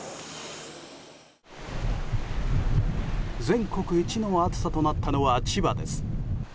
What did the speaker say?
全国一の暑さとなったのは千葉です。